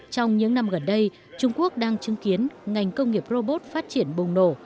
trong những năm gần đây trung quốc đang chứng kiến ngành công nghiệp robot phát triển bùng nổ